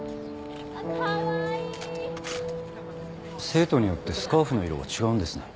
生徒によってスカーフの色が違うんですね。